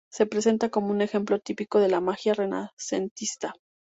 Se presenta como un ejemplo típico de la magia renacentista.